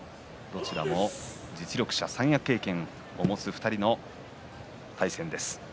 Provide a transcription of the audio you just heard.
実力者、三役経験を持つ２人の対戦です。